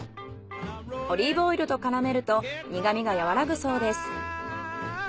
オリーブオイルと絡めると苦味がやわらぐそうです。